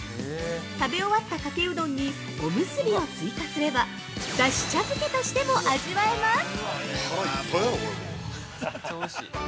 食べ終わったかけうどんにおむすびを追加すればだし茶漬けとしても味わえます。